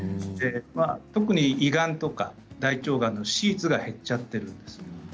特に胃がんとか大腸がんの手術が減ってしまっているんです。